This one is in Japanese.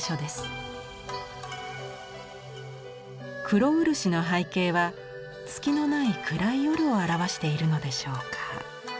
黒漆の背景は月のない暗い夜を表しているのでしょうか。